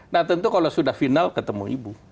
nah tentu kalau sudah final ketemu ibu